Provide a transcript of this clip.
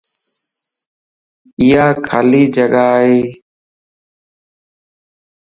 ايا خالي جڳا ائي